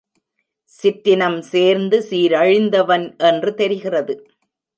சிற்றினம் சேர்ந்து சீரழிந்தவன் என்று தெரிகிறது.